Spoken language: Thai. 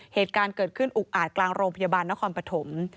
เหตุการณ์เกิดขึ้นอุกอาจกลางโรงพยาบาลนครปฐม